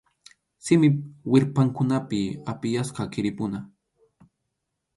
Simip wirpʼankunapi apiyasqa kʼirikuna.